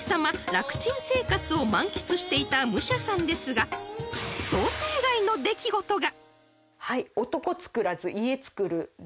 楽ちん生活を満喫していた武者さんですが想定外の出来事が］